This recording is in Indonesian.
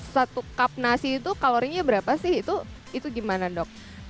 satu cup nasi itu kalorinya berapa sih itu gimana dok